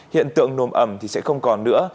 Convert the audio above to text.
hiện tượng nồm ẩm thì sẽ không còn nữa